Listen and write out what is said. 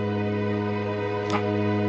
あっ！